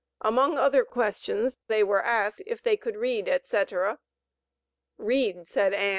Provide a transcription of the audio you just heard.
Among other questions they were asked if they could read, etc. "Read," said Ann.